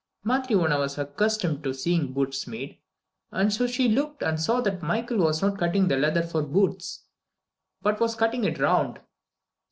Matryona was accustomed to seeing boots made, and she looked and saw that Michael was not cutting the leather for boots, but was cutting it round.